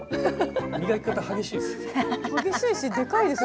磨き方激しいです。